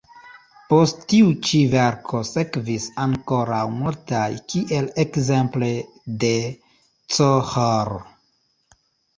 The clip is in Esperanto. Post tiu ĉi verko sekvis ankoraŭ multaj, kiel ekzemple de Chr.